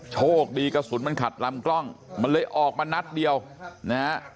โชคดีกระสุนมันขัดลำกล้องมันเลยออกมานัดเดียวนะฮะ